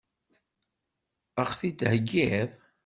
Ad ɣ-t-id-theggiḍ?